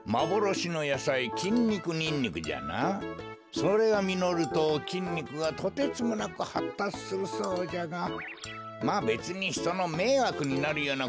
それがみのるときんにくがとてつもなくはったつするそうじゃがまあべつにひとのめいわくになるようなことはあるまい。